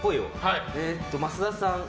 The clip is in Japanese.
増田さん